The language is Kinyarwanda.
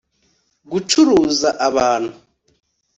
gucuruza abantu